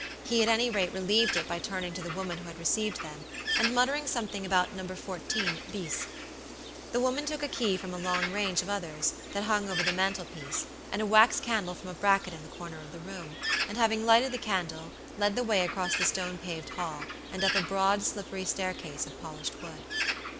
He at any rate relieved it by turning to the woman who had received them, and muttering something about No. 14, Bis. The woman took a key from a long range of others, that hung over the mantel piece, and a wax candle from a bracket in a corner of the room, and having lighted the candle, led the way across the stone paved hall, and up a broad, slippery staircase of polished wood.